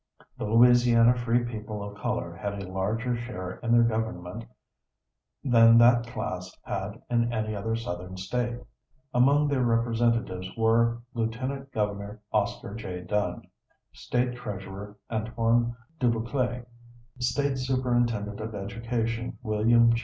The Louisiana free people of color had a larger share in their government than that class had in any other Southern State. Among their representatives were Lieut. Governor Oscar J. Dunn, State Treasurer Antoine Dubuclet, State Superintendent of Education Wm.